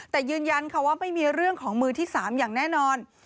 แต่ยืนยันค่ะว่าไม่มีเรื่องของมือที่๓อย่างแน่นอน